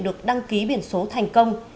được đăng ký biển số thành công